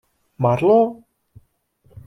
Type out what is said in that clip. Marlo?